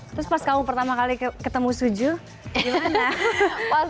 terus pas kamu pertama kali ketemu suju gimana